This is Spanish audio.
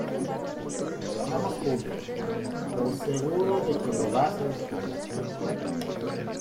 vamos, Julia , estoy seguro de que lo vas a disfrutar.